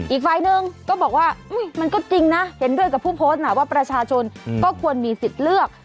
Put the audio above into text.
อีกฝ่ายหนึ่งก็บอกว่ามันก็จริงนะเห็นด้วยกับผู้โพสต์นะว่าประชาชนก็ควรมีสิทธิ์เลือก